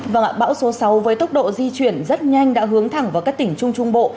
vâng ạ bão số sáu với tốc độ di chuyển rất nhanh đã hướng thẳng vào các tỉnh trung trung bộ